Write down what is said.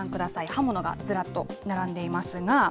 刃物がずらっと並んでいますが。